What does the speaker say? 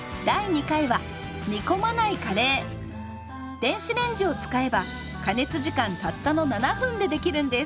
電子レンジを使えば加熱時間たったの７分で出来るんです。